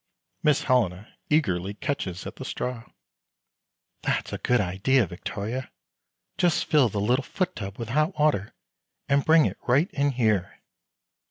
Miss Helena eagerly catches at the straw. "That's a good idea, Victoria. Just fill the little foot tub with hot water, and bring it right in here."